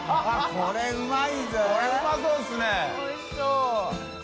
これうまい。